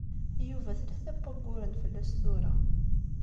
Yuba tlata n wayyuren fell-as tura.